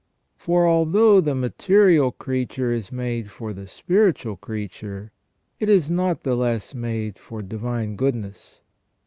For although the material creature is made for the spiritual creature, it is not the less made for the Divine Goodness.